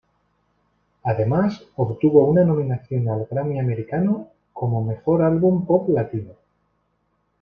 Además obtuvo una nominación al Grammy americano como "Mejor álbum pop latino".